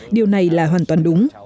điều này là hoàn toàn đúng